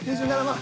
２７万。